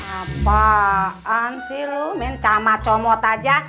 apaan sih lu main camacomot aja